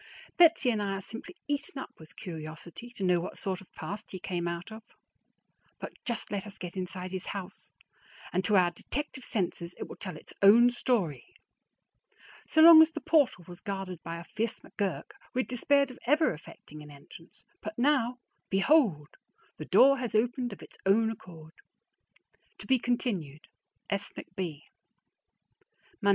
Betsy and I are simply eaten up with curiosity to know what sort of past he came out of; but just let us get inside his house, and to our detective senses it will tell its own story. So long as the portal was guarded by a fierce McGurk, we had despaired of ever effecting an entrance; but now, behold! The door has opened of its own accord. To be continued. S. McB.